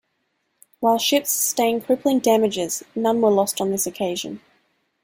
While ships sustained crippling damages, none were lost on this occasion.